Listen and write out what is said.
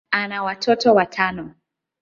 ana watoto watano.